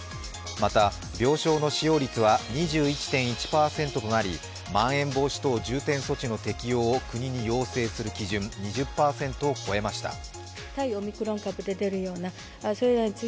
また、病床の使用率は２１．１％となりまん延防止等重点措置の適用を国に要請する基準、２０％を超えました。